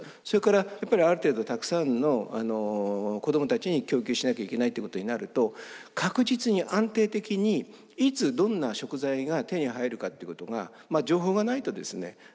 それからやっぱりある程度たくさんの子どもたちに供給しなきゃいけないってことになると確実に安定的にいつどんな食材が手に入るかっていうことが情報がないとですね